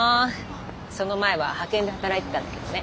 その前は派遣で働いてたんだけどね。